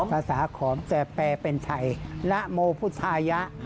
ภาษาขอมจะแปลเป็นใส่นะโมพุทธายะ